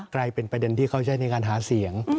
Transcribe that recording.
กลายเป็นประเด็นที่เขาใช้ในการหาเสียง